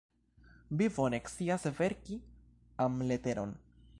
Vi bone scias verki amleteron.